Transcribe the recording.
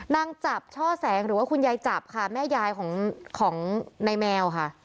นางจับช่อแสงหรือว่าคุณยายจับค่ะแม่ยายของของนายแมวค่ะ